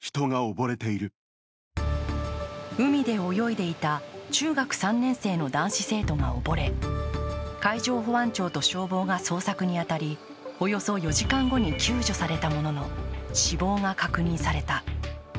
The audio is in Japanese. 海で泳いでいた中学３年生の男子生徒が溺れ、海上保安庁と消防が捜索に当たりおよそ４時間後に救助されたものの死亡が確認された。